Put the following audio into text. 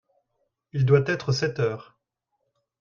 Il doit être sept heures.